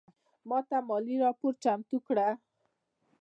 ماته مالي راپور چمتو کړه